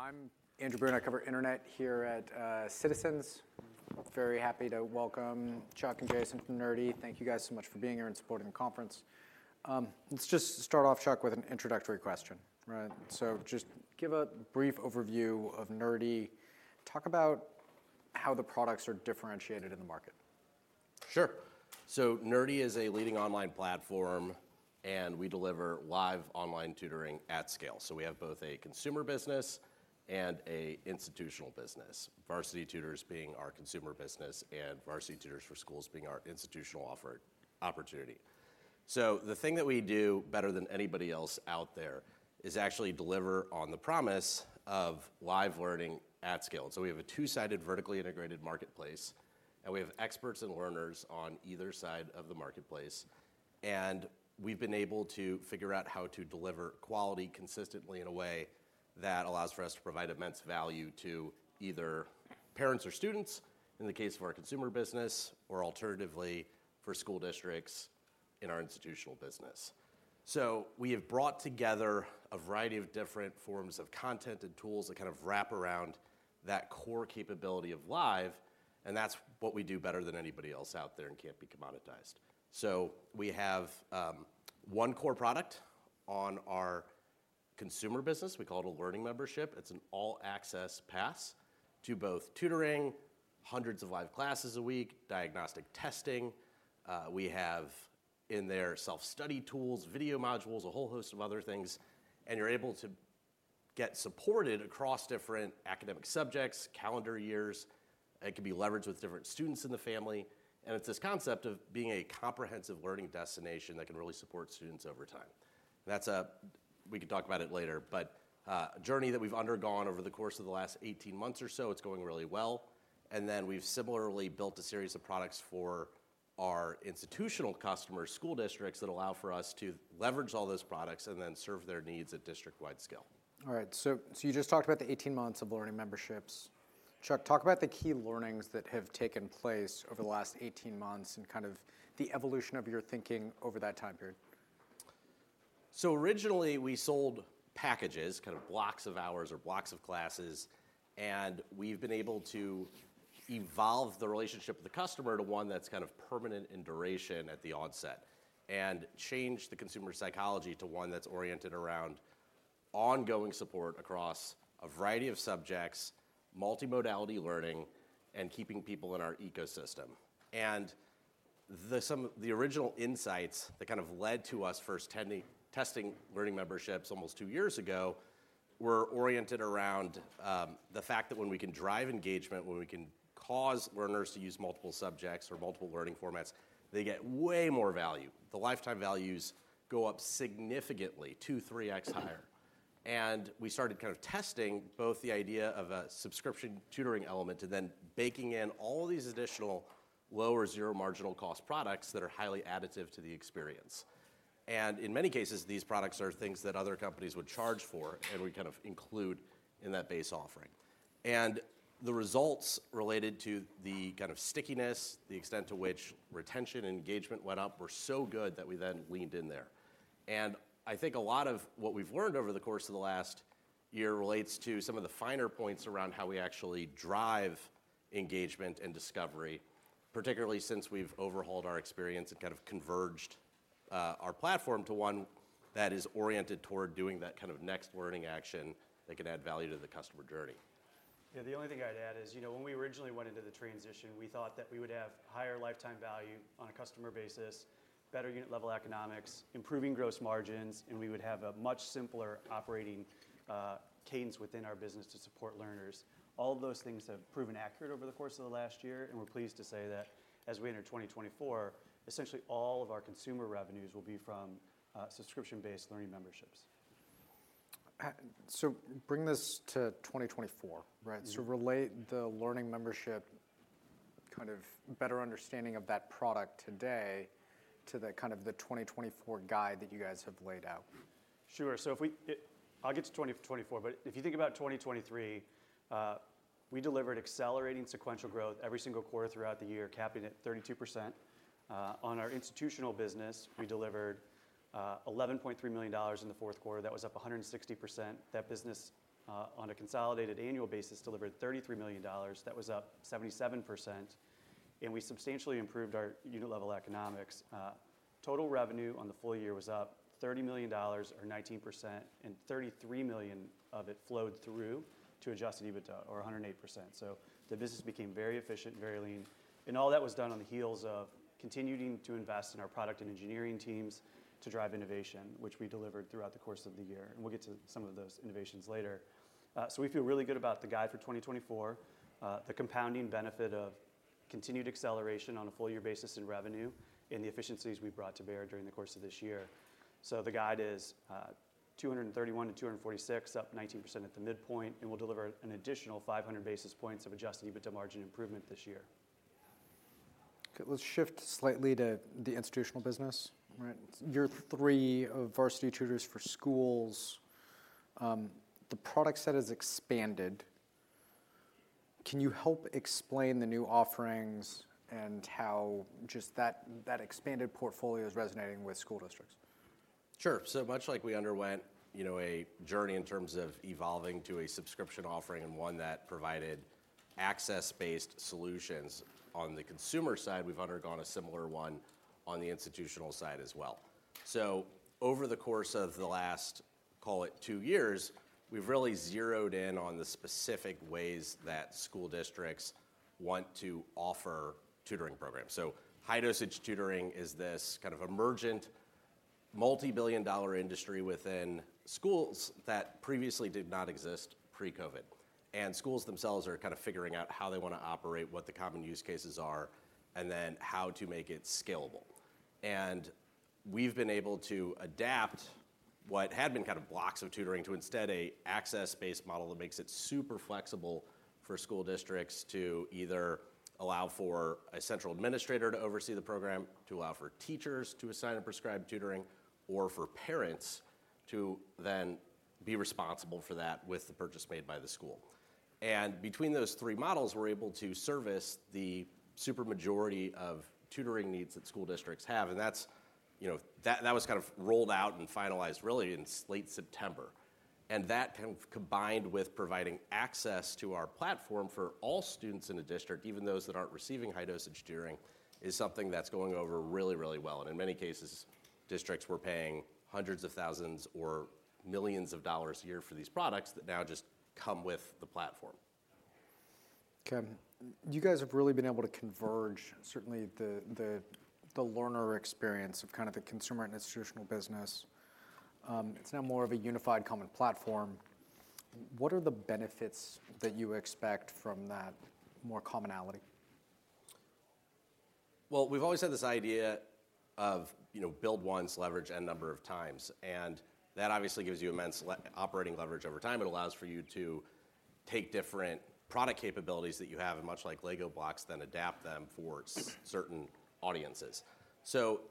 All right, I'm Andrew Byrne. I cover internet here at Citizens. Very happy to welcome Chuck and Jason from Nerdy. Thank you guys so much for being here and supporting the conference. Let's just start off, Chuck, with an introductory question. Right, so just give a brief overview of Nerdy. Talk about how the products are differentiated in the market. Sure. So Nerdy is a leading online platform, and we deliver live online tutoring at scale. So we have both a consumer business and an institutional business, Varsity Tutors being our consumer business, and Varsity Tutors for Schools being our institutional opportunity. So the thing that we do better than anybody else out there is actually deliver on the promise of live learning at scale. So we have a two-sided, vertically integrated marketplace, and we have experts and learners on either side of the marketplace. And we've been able to figure out how to deliver quality consistently in a way that allows for us to provide immense value to either parents or students, in the case of our consumer business, or alternatively, for school districts in our institutional business. So we have brought together a variety of different forms of content and tools that kind of wrap around that core capability of live, and that's what we do better than anybody else out there and can't be commoditized. So we have one core product on our consumer business. We call it a Learning Membership. It's an all-access pass to both tutoring, hundreds of live classes a week, diagnostic testing. We have in there self-study tools, video modules, a whole host of other things, and you're able to get supported across different academic subjects, calendar years, it can be leveraged with different students in the family, and it's this concept of being a comprehensive learning destination that can really support students over time. We can talk about it later, but a journey that we've undergone over the course of the last 18 months or so. It's going really well. And then we've similarly built a series of products for our institutional customers, school districts, that allow for us to leverage all those products and then serve their needs at district-wide scale. All right, so, so you just talked about the 18 months of Learning Memberships. Chuck, talk about the key learnings that have taken place over the last 18 months and kind of the evolution of your thinking over that time period. So originally, we sold packages, kind of blocks of hours or blocks of classes, and we've been able to evolve the relationship with the customer to one that's kind of permanent in duration at the onset, and change the consumer psychology to one that's oriented around ongoing support across a variety of subjects, multimodality learning, and keeping people in our ecosystem. And the original insights that kind of led to us first testing Learning Memberships almost two years ago, were oriented around the fact that when we can drive engagement, when we can cause learners to use multiple subjects or multiple learning formats, they get way more value. The lifetime values go up significantly, 2x-3x higher. And we started kind of testing both the idea of a subscription tutoring element and then baking in all these additional low or zero marginal cost products that are highly additive to the experience. And in many cases, these products are things that other companies would charge for, and we kind of include in that base offering. And the results related to the kind of stickiness, the extent to which retention and engagement went up, were so good that we then leaned in there. And I think a lot of what we've learned over the course of the last year relates to some of the finer points around how we actually drive engagement and discovery, particularly since we've overhauled our experience and kind of converged, our platform to one that is oriented toward doing that kind of next learning action that can add value to the customer journey. Yeah, the only thing I'd add is, you know, when we originally went into the transition, we thought that we would have higher lifetime value on a customer basis, better unit level economics, improving gross margins, and we would have a much simpler operating, cadence within our business to support learners. All of those things have proven accurate over the course of the last year, and we're pleased to say that as we enter 2024, essentially all of our consumer revenues will be from, subscription-based Learning Memberships. Bring this to 2024, right? Mm. So relate the Learning Membership, kind of better understanding of that product today to the kind of the 2024 guide that you guys have laid out. Sure. So if we, I'll get to 2024, but if you think about 2023, we delivered accelerating sequential growth every single quarter throughout the year, capping at 32%. On our institutional business, we delivered $11.3 million in the fourth quarter. That was up 160%. That business, on a consolidated annual basis, delivered $33 million. That was up 77%, and we substantially improved our unit level economics. Total revenue on the full year was up $30 million or 19%, and $33 million of it flowed through to adjusted EBITDA or 108%. So the business became very efficient, very lean, and all that was done on the heels of continuing to invest in our product and engineering teams to drive innovation, which we delivered throughout the course of the year, and we'll get to some of those innovations later. So we feel really good about the guide for 2024, the compounding benefit of continued acceleration on a full year basis in revenue and the efficiencies we've brought to bear during the course of this year. So the guide is $231 million-$246 million, up 19% at the midpoint, and we'll deliver an additional 500 basis points of adjusted EBITDA margin improvement this year. Okay, let's shift slightly to the institutional business, right? Year three of Varsity Tutors for Schools, the product set has expanded. Can you help explain the new offerings and how just that, that expanded portfolio is resonating with school districts? Sure. So much like we underwent, you know, a journey in terms of evolving to a subscription offering, and one that provided access-based solutions on the consumer side, we've undergone a similar one on the institutional side as well. So over the course of the last, call it two years, we've really zeroed in on the specific ways that school districts want to offer tutoring programs. So, high-dosage tutoring is this kind of emergent, multi-billion dollar industry within schools that previously did not exist pre-COVID. And schools themselves are kind of figuring out how they want to operate, what the common use cases are, and then how to make it scalable. And we've been able to adapt what had been kind of blocks of tutoring to instead a access-based model that makes it super flexible for school districts to either allow for a central administrator to oversee the program, to allow for teachers to assign and prescribe tutoring, or for parents to then be responsible for that with the purchase made by the school. And between those three models, we're able to service the super majority of tutoring needs that school districts have. And that's, you know, that, that was kind of rolled out and finalized really in late September. And that kind of combined with providing access to our platform for all students in a district, even those that aren't receiving high-dosage tutoring, is something that's going over really, really well. In many cases, districts were paying hundreds of thousands or millions a year for these products, that now just come with the platform. Okay. You guys have really been able to converge, certainly the learner experience of kind of the consumer and institutional business. It's now more of a unified common platform. What are the benefits that you expect from that more commonality? Well, we've always had this idea of, you know, build once, leverage N number of times, and that obviously gives you immense operating leverage over time. It allows for you to take different product capabilities that you have, and much like Lego blocks, then adapt them for certain audiences. So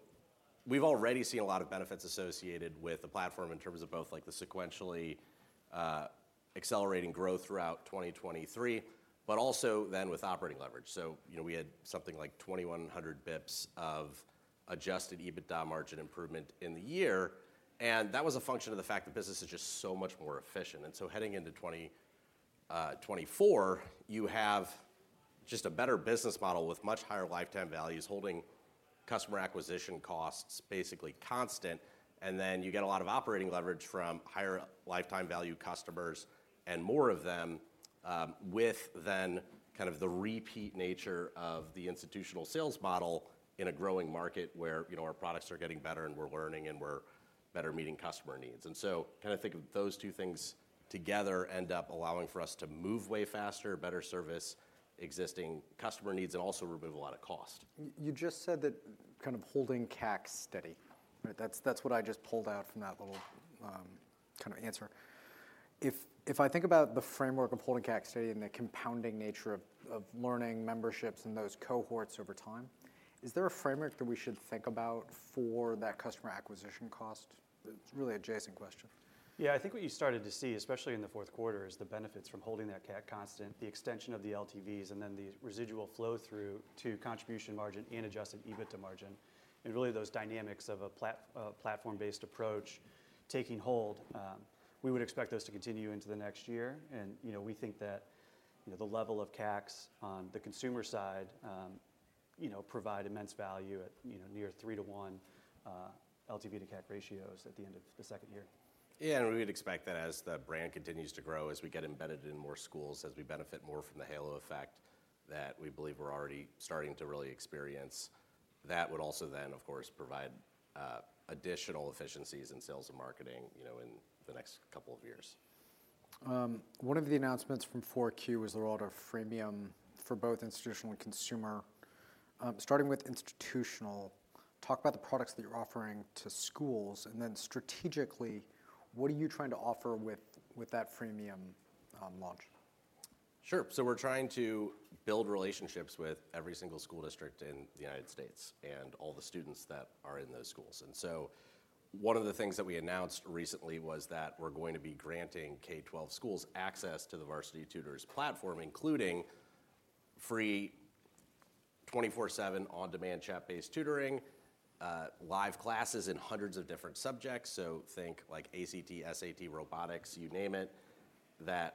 we've already seen a lot of benefits associated with the platform in terms of both like the sequentially accelerating growth throughout 2023, but also then with operating leverage. So, you know, we had something like 2,100 bps of adjusted EBITDA margin improvement in the year, and that was a function of the fact the business is just so much more efficient. And so heading into 2024, you have just a better business model with much higher lifetime values, holding customer acquisition costs basically constant, and then you get a lot of operating leverage from higher lifetime value customers and more of them, with then kind of the repeat nature of the institutional sales model in a growing market where, you know, our products are getting better and we're learning, and we're better meeting customer needs. And so I kinda think of those two things together end up allowing for us to move way faster, better service existing customer needs, and also remove a lot of cost. You just said that kind of holding CAC steady, right? That's what I just pulled out from that little kind of answer. If I think about the framework of holding CAC steady and the compounding nature of Learning Memberships and those cohorts over time, is there a framework that we should think about for that customer acquisition cost? It's really an adjacent question. Yeah, I think what you started to see, especially in the fourth quarter, is the benefits from holding that CAC constant, the extension of the LTVs, and then the residual flow-through to contribution margin and adjusted EBITDA margin, and really those dynamics of a platform-based approach taking hold. We would expect those to continue into the next year, and, you know, we think that, you know, the level of CACs on the consumer side, you know, provide immense value at, you know, near 3-to-1 LTV to CAC ratios at the end of the second year. Yeah, and we'd expect that as the brand continues to grow, as we get embedded in more schools, as we benefit more from the halo effect, that we believe we're already starting to really experience. That would also then, of course, provide additional efficiencies in sales and marketing, you know, in the next couple of years. One of the announcements from 4Q was the rollout of freemium for both institutional and consumer. Starting with institutional, talk about the products that you're offering to schools, and then strategically, what are you trying to offer with that freemium launch? Sure. So we're trying to build relationships with every single school district in the United States, and all the students that are in those schools. One of the things that we announced recently was that we're going to be granting K-12 schools access to the Varsity Tutors platform, including free 24/7 on-demand, chat-based tutoring, live classes in hundreds of different subjects, so think like ACT, SAT, robotics, you name it.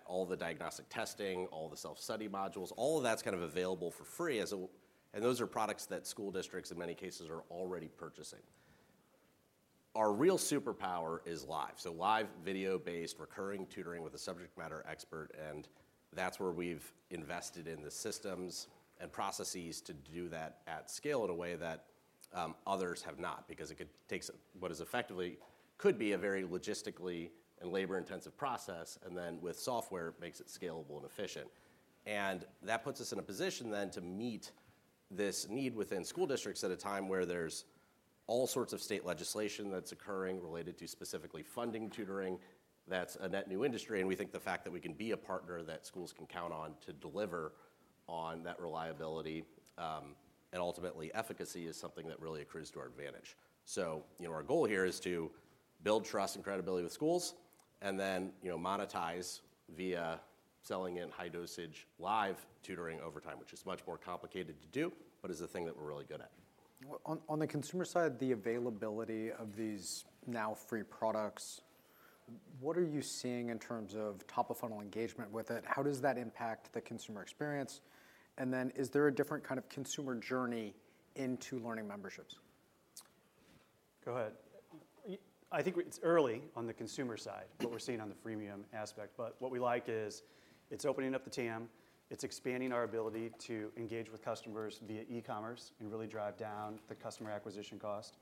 All the diagnostic testing, all the self-study modules, all of that's kind of available for free, and those are products that school districts, in many cases, are already purchasing. Our real superpower is live, so live video-based, recurring tutoring with a subject matter expert, and that's where we've invested in the systems and processes to do that at scale in a way that others have not. Because it takes what is effectively a very logistically and labor-intensive process, and then with software, makes it scalable and efficient. That puts us in a position to meet this need within school districts at a time where there's all sorts of state legislation that's occurring related to specifically funding tutoring. That's a net new industry, and we think the fact that we can be a partner that schools can count on to deliver on that reliability and ultimately efficacy is something that really accrues to our advantage. So, you know, our goal here is to build trust and credibility with schools, and then, you know, monetize via selling it in high-dosage live tutoring over time, which is much more complicated to do, but is the thing that we're really good at. Well, on the consumer side, the availability of these now free products, what are you seeing in terms of top-of-funnel engagement with it? How does that impact the consumer experience? And then is there a different kind of consumer journey into Learning Memberships? Go ahead. I think it's early on the consumer side, what we're seeing on the freemium aspect, but what we like is it's opening up the TAM, it's expanding our ability to engage with customers via e-commerce, and really drive down the customer acquisition cost.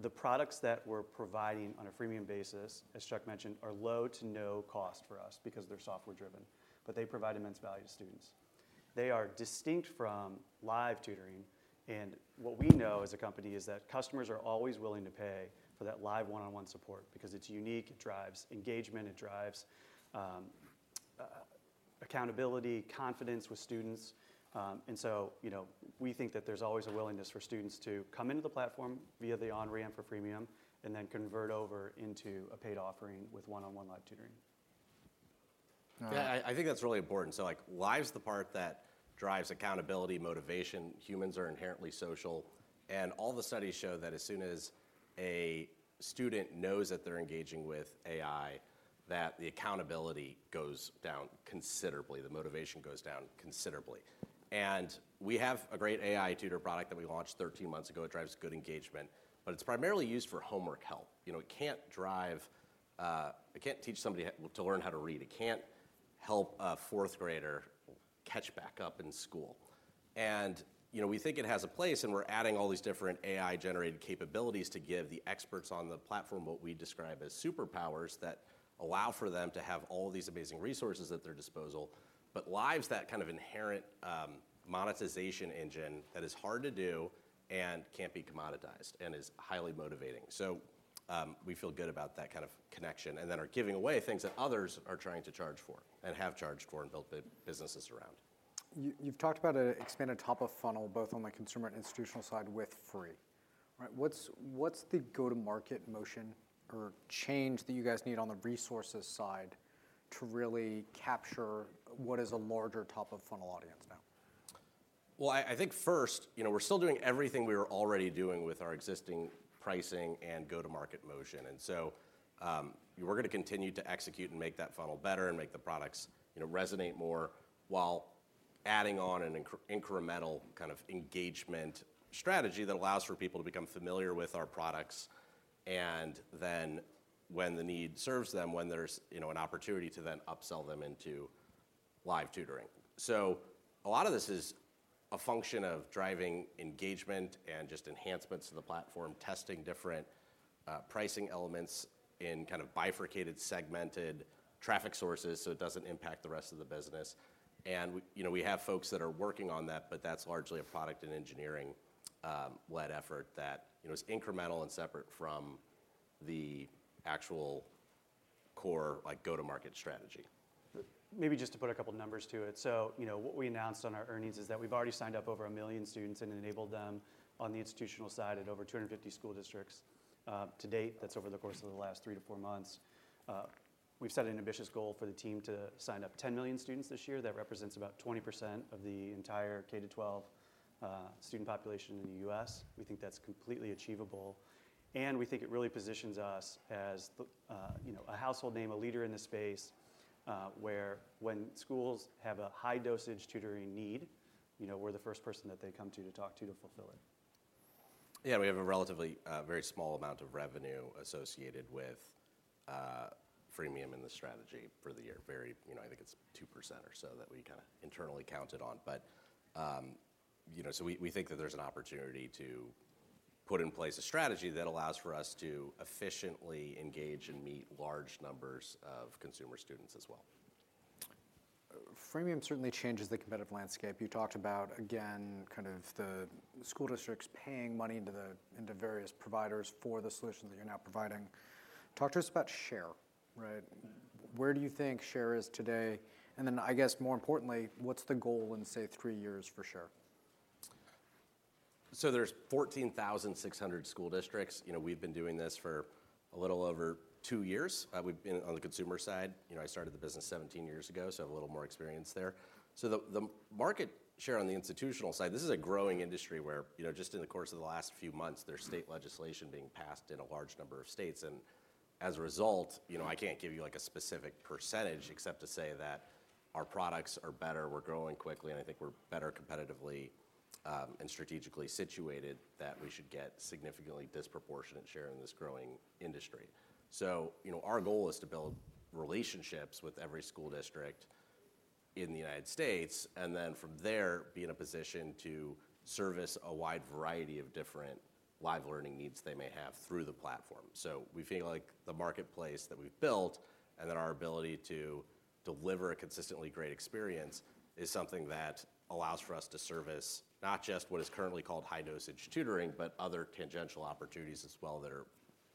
The products that we're providing on a freemium basis, as Chuck mentioned, are low to no cost for us because they're software driven, but they provide immense value to students. They are distinct from live tutoring, and what we know as a company is that customers are always willing to pay for that live one-on-one support because it's unique, it drives engagement, it drives accountability, confidence with students. And so, you know, we think that there's always a willingness for students to come into the platform via the on-ramp for freemium, and then convert over into a paid offering with one-on-one live tutoring. Yeah, I, I think that's really important. So, like, live's the part that drives accountability, motivation. Humans are inherently social, and all the studies show that as soon as a student knows that they're engaging with AI, that the accountability goes down considerably, the motivation goes down considerably. And we have a great AI tutor product that we launched 13 months ago. It drives good engagement, but it's primarily used for homework help. You know, it can't drive, it can't teach somebody to learn how to read. It can't help a fourth grader catch back up in school. And, you know, we think it has a place, and we're adding all these different AI-generated capabilities to give the experts on the platform what we describe as superpowers that allow for them to have all these amazing resources at their disposal. But live's that kind of inherent, monetization engine that is hard to do and can't be commoditized, and is highly motivating. So, we feel good about that kind of connection, and then are giving away things that others are trying to charge for and have charged for, and built their businesses around. You've talked about expanded top of funnel, both on the consumer and institutional side with free, right? What's the go-to-market motion or change that you guys need on the resources side to really capture what is a larger top-of-funnel audience now? Well, I think first, you know, we're still doing everything we were already doing with our existing pricing and go-to-market motion. And so, we're going to continue to execute and make that funnel better and make the products, you know, resonate more, while adding on an incremental kind of engagement strategy that allows for people to become familiar with our products, and then when the need serves them, when there's, you know, an opportunity to then upsell them into live tutoring. So a lot of this is a function of driving engagement and just enhancements to the platform, testing different, pricing elements in kind of bifurcated, segmented traffic sources, so it doesn't impact the rest of the business. You know, we have folks that are working on that, but that's largely a product and engineering led effort that, you know, is incremental and separate from the actual core, like, go-to-market strategy. Maybe just to put a couple numbers to it. You know, what we announced on our earnings is that we've already signed up over a million students and enabled them on the institutional side at over 250 school districts. To date, that's over the course of the last three to four months. We've set an ambitious goal for the team to sign up 10 million students this year. That represents about 20% of the entire K-12 student population in the U.S. We think that's completely achievable, and we think it really positions us as the, you know, a household name, a leader in this space, where when schools have a high-dosage tutoring need, you know, we're the first person that they come to, to talk to, to fulfill it. Yeah, we have a relatively very small amount of revenue associated with freemium in the strategy for the year. Very- you know, I think it's 2% or so that we kinda internally counted on. But, you know, so we, we think that there's an opportunity to put in place a strategy that allows for us to efficiently engage and meet large numbers of consumer students as well. Freemium certainly changes the competitive landscape. You talked about, again, kind of the school districts paying money into various providers for the solution that you're now providing. Talk to us about share, right? Where do you think share is today? And then, I guess, more importantly, what's the goal in, say, three years for share? So there's 14,600 school districts. You know, we've been doing this for a little over two years. We've been on the consumer side, you know, I started the business 17 years ago, so I have a little more experience there. So the market share on the institutional side, this is a growing industry where, you know, just in the course of the last few months, there's state legislation being passed in a large number of states. And as a result, you know, I can't give you, like, a specific percentage, except to say that our products are better, we're growing quickly, and I think we're better competitively, and strategically situated, that we should get significantly disproportionate share in this growing industry. So, you know, our goal is to build relationships with every school district in the United States, and then from there, be in a position to service a wide variety of different live learning needs they may have through the platform. So we feel like the marketplace that we've built and then our ability to deliver a consistently great experience, is something that allows for us to service not just what is currently called high-dosage tutoring, but other tangential opportunities as well that are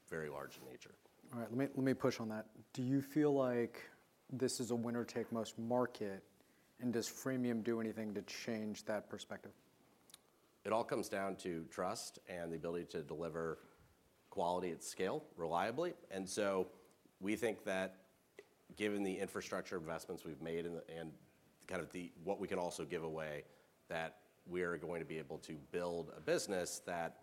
very large in nature. All right. Let me, let me push on that. Do you feel like this is a winner-take-most market, and does freemium do anything to change that perspective? It all comes down to trust and the ability to deliver quality at scale reliably. And so we think that given the infrastructure investments we've made and kind of the what we can also give away, that we're going to be able to build a business that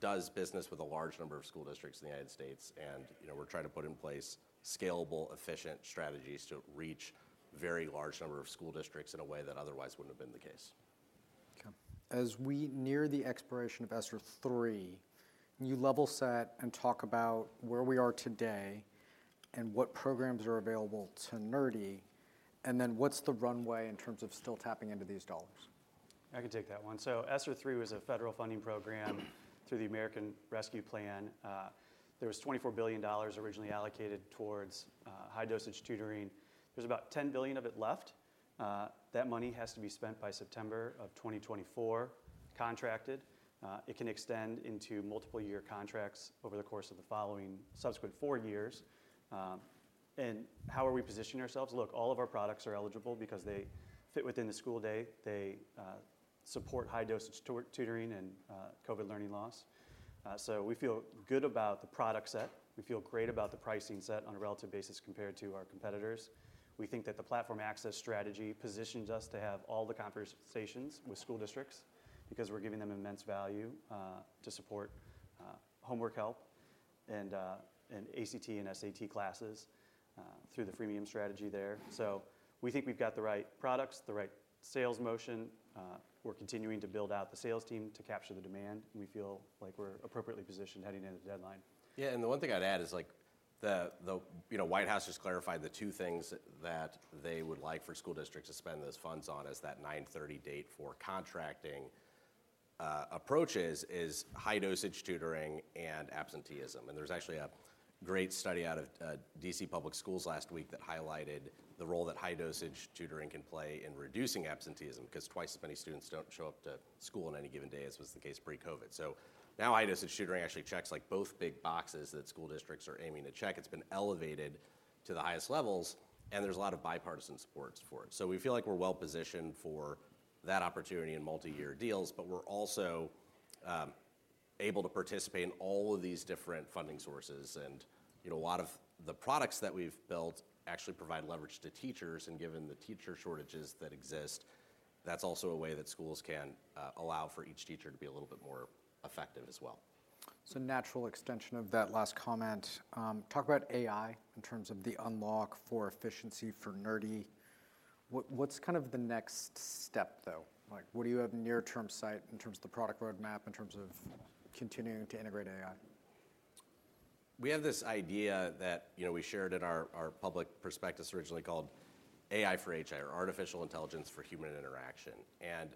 does business with a large number of school districts in the United States. And, you know, we're trying to put in place scalable, efficient strategies to reach very large number of school districts in a way that otherwise wouldn't have been the case. Okay. As we near the expiration of ESSER III, can you level set and talk about where we are today and what programs are available to Nerdy, and then what's the runway in terms of still tapping into these dollars? I can take that one. So ESSER III was a federal funding program through the American Rescue Plan. There was $24 billion originally allocated towards high-dosage tutoring. There's about $10 billion of it left. That money has to be spent by September of 2024, contracted. It can extend into multiple year contracts over the course of the following subsequent four years. And how are we positioning ourselves? Look, all of our products are eligible because they fit within the school day. They support high-dosage tutoring and COVID learning loss. So we feel good about the product set. We feel great about the pricing set on a relative basis compared to our competitors. We think that the platform access strategy positions us to have all the conversations with school districts because we're giving them immense value, to support, homework help and, and ACT and SAT classes, through the freemium strategy there. So we think we've got the right products, the right sales motion. We're continuing to build out the sales team to capture the demand, and we feel like we're appropriately positioned heading into the deadline. Yeah, and the one thing I'd add is like the, you know, White House just clarified the two things that they would like for school districts to spend those funds on as that 9/30 date for contracting approaches, is high-dosage tutoring and absenteeism. And there's actually a great study out of D.C. Public Schools last week that highlighted the role that high-dosage tutoring can play in reducing absenteeism, because twice as many students don't show up to school on any given day as was the case pre-COVID. So now, high-dosage tutoring actually checks, like, both big boxes that school districts are aiming to check. It's been elevated to the highest levels, and there's a lot of bipartisan supports for it. So we feel like we're well-positioned for that opportunity in multi-year deals, but we're also able to participate in all of these different funding sources. You know, a lot of the products that we've built actually provide leverage to teachers, and given the teacher shortages that exist, that's also a way that schools can allow for each teacher to be a little bit more effective as well. So natural extension of that last comment, talk about AI in terms of the unlock for efficiency for Nerdy. What, what's kind of the next step, though? Like, what do you have near-term sight in terms of the product roadmap, in terms of continuing to integrate AI? We have this idea that, you know, we shared in our, our public prospectus, originally called AI for HI, or Artificial Intelligence for Human Interaction, and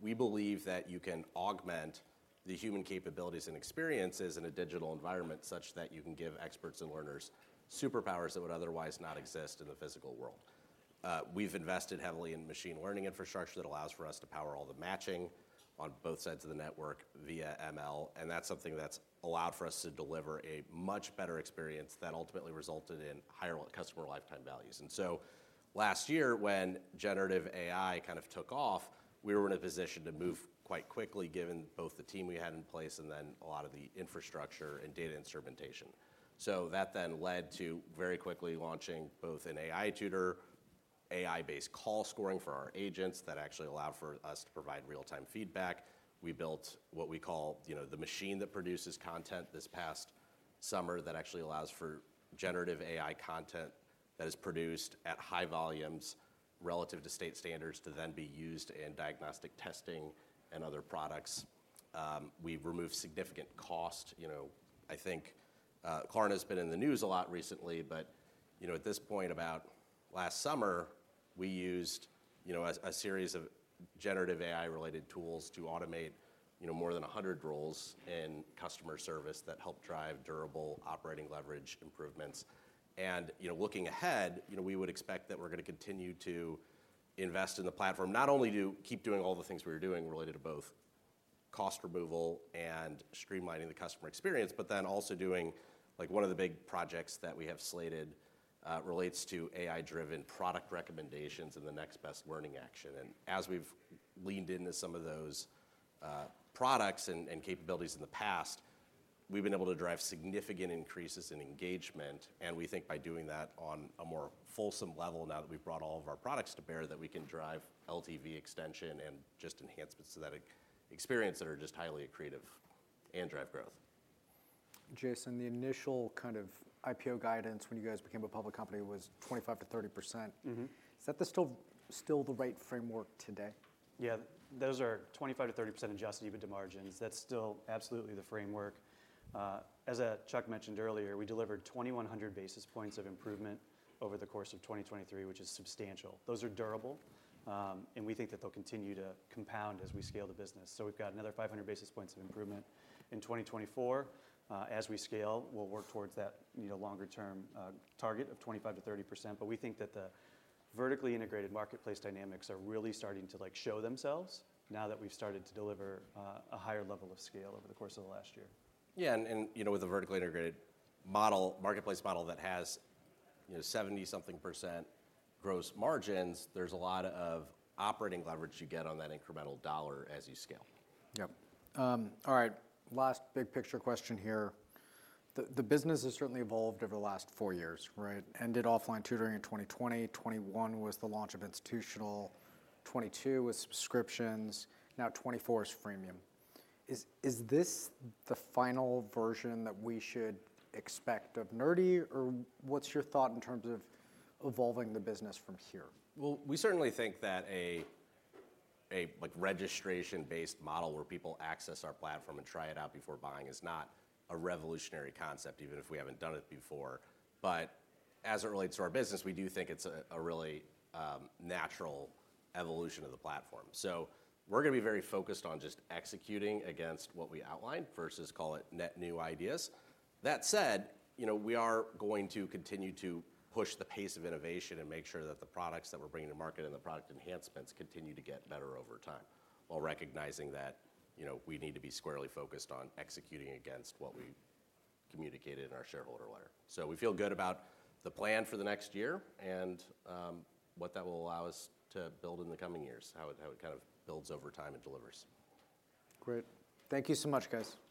we believe that you can augment the human capabilities and experiences in a digital environment such that you can give experts and learners superpowers that would otherwise not exist in the physical world. We've invested heavily in machine learning infrastructure that allows for us to power all the matching on both sides of the network via ML, and that's something that's allowed for us to deliver a much better experience that ultimately resulted in higher customer lifetime values. And so last year, when generative AI kind of took off, we were in a position to move quite quickly, given both the team we had in place and then a lot of the infrastructure and data instrumentation. So that then led to very quickly launching both an AI Tutor, AI-based call scoring for our agents that actually allow for us to provide real-time feedback. We built what we call, you know, the machine that produces content this past summer that actually allows for generative AI content that is produced at high volumes relative to state standards, to then be used in diagnostic testing and other products. We've removed significant cost. You know, I think, Klarna has been in the news a lot recently, but, you know, at this point about last summer, we used, you know, a series of generative AI-related tools to automate, you know, more than 100 roles in customer service that help drive durable operating leverage improvements. You know, looking ahead, you know, we would expect that we're gonna continue to invest in the platform, not only to keep doing all the things we were doing related to both cost removal and streamlining the customer experience, but then also doing, like, one of the big projects that we have slated relates to AI-driven product recommendations and the next best learning action. And as we've leaned into some of those products and capabilities in the past, we've been able to drive significant increases in engagement, and we think by doing that on a more fulsome level, now that we've brought all of our products to bear, that we can drive LTV extension and just enhancements to that experience that are just highly accretive and drive growth. Jason, the initial kind of IPO guidance when you guys became a public company was 25%-30%. Mm-hmm. Is that still the right framework today? Yeah, those are 25%-30% adjusted EBITDA margins. That's still absolutely the framework. As Chuck mentioned earlier, we delivered 2,100 basis points of improvement over the course of 2023, which is substantial. Those are durable, and we think that they'll continue to compound as we scale the business. So we've got another 500 basis points of improvement in 2024. As we scale, we'll work towards that, you know, longer-term target of 25%-30%. But we think that the vertically integrated marketplace dynamics are really starting to, like, show themselves now that we've started to deliver a higher level of scale over the course of the last year. Yeah, and, you know, with a vertically integrated model, marketplace model that has, you know, 70-something% gross margins, there's a lot of operating leverage you get on that incremental dollar as you scale. Yep. All right, last big-picture question here. The business has certainly evolved over the last four years, right? Ended offline tutoring in 2020, 2021 was the launch of institutional, 2022 was subscriptions, now 2024 is freemium. Is this the final version that we should expect of Nerdy, or what's your thought in terms of evolving the business from here? Well, we certainly think that a like registration-based model where people access our platform and try it out before buying is not a revolutionary concept, even if we haven't done it before. But as it relates to our business, we do think it's a really natural evolution of the platform. So we're gonna be very focused on just executing against what we outlined versus call it net new ideas. That said, you know, we are going to continue to push the pace of innovation and make sure that the products that we're bringing to market and the product enhancements continue to get better over time, while recognizing that, you know, we need to be squarely focused on executing against what we communicated in our shareholder letter. So we feel good about the plan for the next year and what that will allow us to build in the coming years, how it kind of builds over time and delivers. Great. Thank you so much, guys.